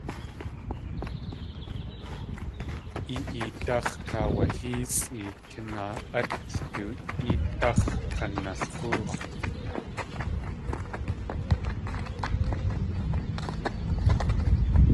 I éedáx̲ kaawahéesʼi kinaa.át, du éedáx̲ kanlx̲óox̲!